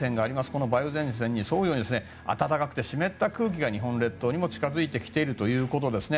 この梅雨前線に沿うように暖かくて湿った空気が日本列島にも近付いているということです。